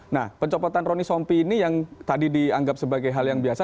nah pencopotan rony sompi ini yang tadi dianggap sebagai hal yang biasa